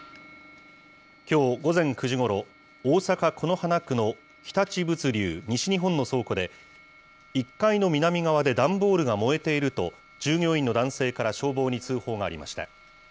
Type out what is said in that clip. きょう午前９時ごろ、大阪・此花区の日立物流西日本の倉庫で、１階の南側で段ボールが燃えていると、従業員の男性から消防に通報がありました。